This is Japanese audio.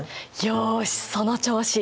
よしその調子。